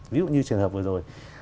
ví dụ như trường hợp vừa rồi